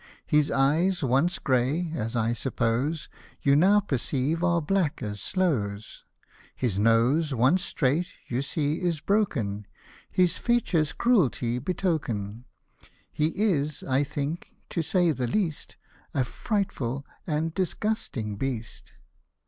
His eyes once grey, as I suppose, You now perceive are black as sloes ; His nose, once straight, you see is broken ; His features cruelty betoken : He is, I think, to say the least, A frightful and disgusting beast.